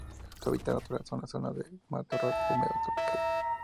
Su hábitat natural son las zonas de matorral húmedo tropical.